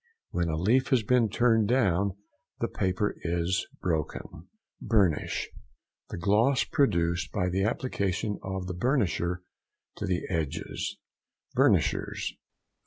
When a leaf has been turned down the paper is broken. BURNISH.—The gloss produced by the application of the burnisher to the edges. BURNISHERS.